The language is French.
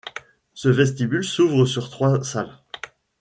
Ce vestibule s’ouvre sur trois salles.